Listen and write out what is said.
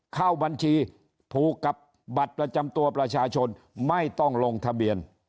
เข้าบัญชีผูกกับบัตรประจำตัวประชาชนไม่ต้องลงทะเบียน